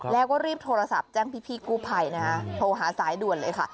แล้วก็รีบโทรศัพท์แจ้งพี่กู้ภัยนะคะโทรหาสายด่วนเลยค่ะ